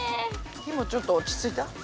火もちょっと落ち着いた？